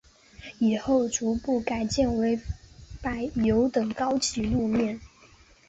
以后逐步改建为柏油等高级路面。